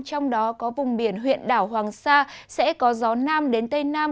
trong đó có vùng biển huyện đảo hoàng sa sẽ có gió nam đến tây nam